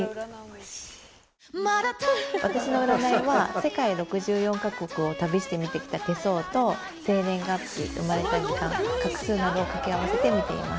私の占いは世界６４カ国を旅して見てきた手相と生年月日生まれた時間画数などを掛け合わせて見ています。